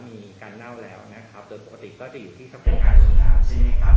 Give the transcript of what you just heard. ก็มีการเล่าแล้วนะครับตัวปกติก็จะอยู่ที่ที่เขาเป็นการส่งน้ำใช่ไหมครับ